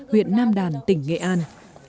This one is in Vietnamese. huyện nam đàn tỉnh nghệ an